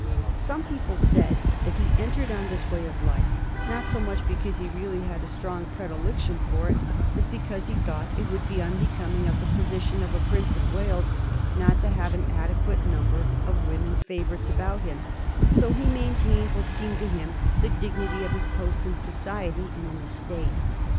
Some people said that he entered on this way of life not so much because he really had a strong predilection for it as because he thought it would be unbecoming of the position of a Prince of Wales not to have an adequate number of women favorites about him; so he maintained what seemed to him the dignity of his place in society and in the State.